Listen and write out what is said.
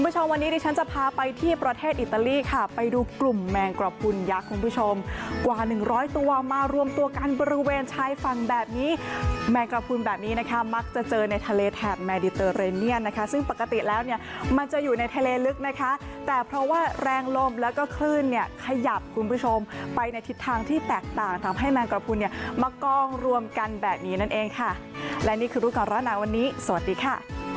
จะเจอในทะเลแถดเมดิเตอเรเนียนนะคะซึ่งปกติแล้วเนี่ยมันจะอยู่ในทะเลลึกนะคะแต่เพราะว่าแรงลมแล้วก็คลื่นเนี่ยขยับคุณผู้ชมไปในทิศทางที่แตกต่างทำให้มากรองรวมกันแบบนี้นั่นเองค่ะและนี่คือรูปการรอดนั้นวันนี้สวัสดีค่ะ